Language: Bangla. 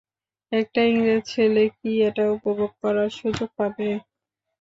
একটা ইংরেজ ছেলে কি এটা উপভোগ করার সুযোগ পাবে?